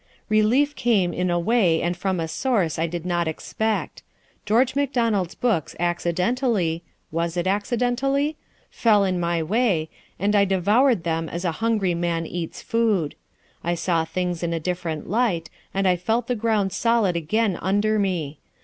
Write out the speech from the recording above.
"Relief came in a way and from a source I did not expect. George Macdonald's books accidentally (was it accidentally?) fell in my way, and I devoured them as a hungry man eats food. I saw things in a different light, and I felt the ground solid again under me.